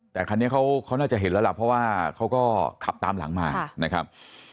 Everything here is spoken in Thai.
แต่คันนี้เขาน่าจะเห็นแล้วล่ะเพราะว่าเขาก็ขับตามหลังมานะครับ